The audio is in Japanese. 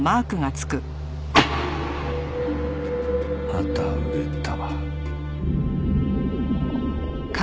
また売れた。